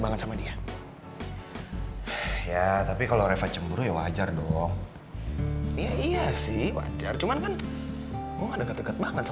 banget sama dia ya tapi kalau refah cemburu ya wajar dong iya iya sih wajar cuman kan